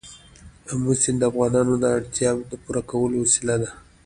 آمو سیند د افغانانو د اړتیاوو د پوره کولو وسیله ده.